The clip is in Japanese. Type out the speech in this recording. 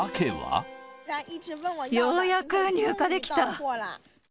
ようやく入荷できた！